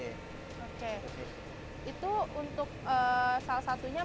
oke itu untuk salah satunya